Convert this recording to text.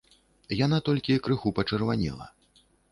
Яна толькі крыху пачырванела.